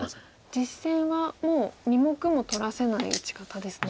実戦はもう２目も取らせない打ち方ですね。